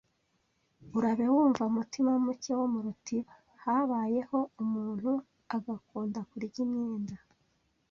Urabe wumva Mutimamuke wo mu rutiba Habayeho umuntu agakunda kurya imyenda